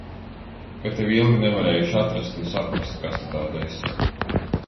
Ka tevi ilgi nevarējuši atrast un saprast, kas tu tāda esi.